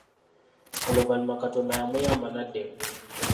Oluvanyuma Katonda yamuyamba n’adda engulu.